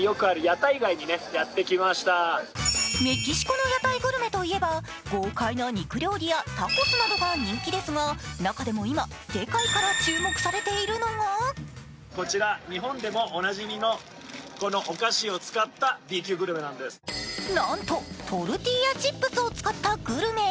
メキシコの屋台グルメといえば豪快な肉料理やタコスなどが人気ですが中でも今、世界から注目されているのがなんと、トルティーヤチップスを使ったグルメ。